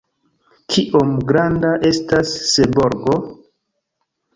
Kiom granda estas Seborgo?